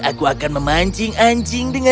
aku akan memancing anjing di kota